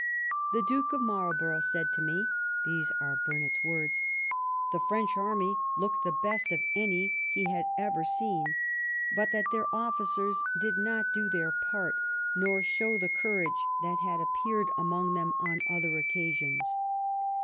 " The duke of Marl borough said to me "— these are Burnet's words —" the French army looked the best of any he had ever seen ; but that their officers did not do their part, nor show the courage that had appeared among them on other oc casions.